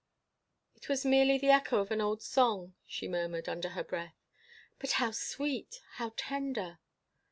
"It was merely the echo of an old song—" she murmured, under her breath. "But how sweet! How tender!"